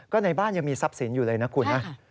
ก็ในบ้านยังมีทรัพย์สินอยู่เลยนะคุณนะ